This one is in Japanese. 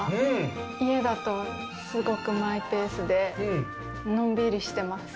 家だとすごくマイペースで、のんびりしてます。